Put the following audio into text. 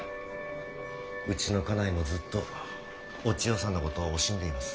うちの家内もずっとお千代さんのことを惜しんでいます。